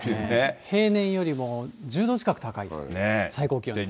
平年よりも１０度近く高い最高気温ですね。